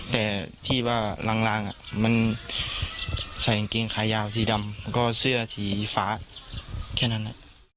แต่ที่ว่าหลังมันใส่อังกฎิงขายาวทีดำแล้วก็เสื้อทีฟ้าแค่นั้นแหละ